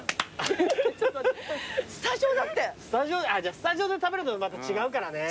じゃあスタジオで食べるとまた違うからね。